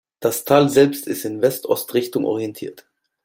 Das Tal selbst ist in West-Ost-Richtung orientiert.